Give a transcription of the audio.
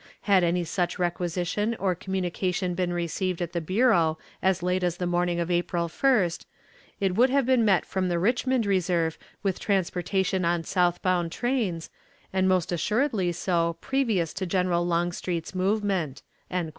Had any such requisition or communication been received at the bureau as late as the morning of April 1st, it could have been met from the Richmond reserve with transportation on south bound trains, and most assuredly so previous to General Longstreet's movement."